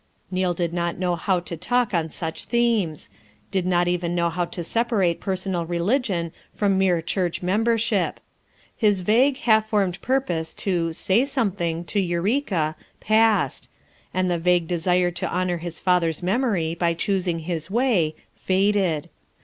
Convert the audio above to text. Neal did not know how to talk on such themes; did not even know how to separate personal religion from mere church member ship. His vague half formed purpose to "say something" to Eureka, passed; and the vague desire to honor his father's memory by choos ing his way, faded.